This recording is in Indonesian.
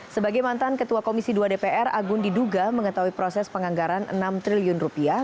sebagai mantan ketua komisi dua dpr agun diduga mengetahui proses penganggaran enam triliun rupiah